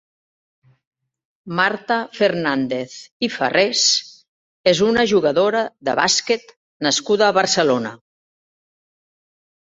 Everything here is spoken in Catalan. Marta Fernández i Farrés és una jugadora de bàsquet nascuda a Barcelona.